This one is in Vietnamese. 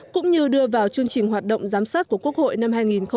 cũng như đưa vào chương trình hoạt động giám sát của quốc hội năm hai nghìn một mươi bảy